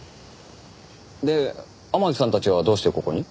で天樹さんたちはどうしてここに？